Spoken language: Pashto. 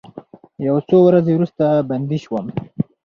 یو څو ورځې وروسته بندي شوم.